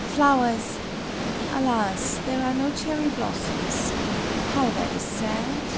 Flowers alas! there are no cherry blossoms. How that is sad!